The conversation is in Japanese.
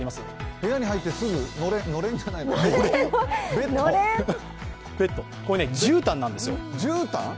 部屋に入ってすぐのれんじゃないかこれ、じゅうたんなんですよ。